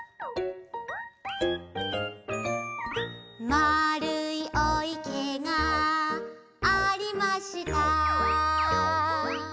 「まるいお池がありました」